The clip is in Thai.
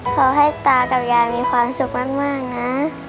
ขอให้ตากับยายมีความสุขมากนะ